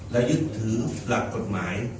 และยึดถือกภาพที่นี่และถึงรับกว่า